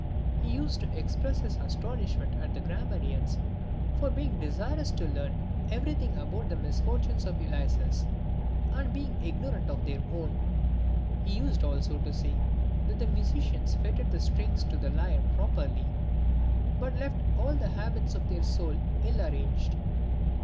He used to express his astonishment at the grammarians for being desirous to learn everything about the misfortunes of Ulysses, and being ignorant of their own. He used also to say, " That the musicians fitted the strings to the lyre properly, but left all the habits of their soul ill arranged."